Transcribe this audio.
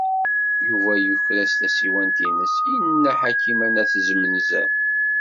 Yuba yuker-as tasiwant-nnes i Nna Ḥakima n At Zmenzer.